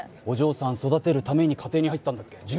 お嬢さん育てるために家庭に入ってたんだっけ？